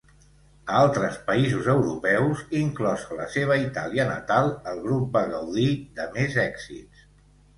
A altres països europeus, inclosa la seva Itàlia natal, el grup va gaudir de més èxits.